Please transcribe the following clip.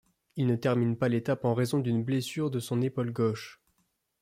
Il ne termine pas l'étape en raison d'une blessure de son épaule gauche.